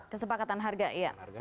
kesepakatan harga iya